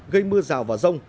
gây mưa rào và rông